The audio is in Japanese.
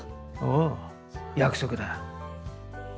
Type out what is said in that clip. おう約束だ。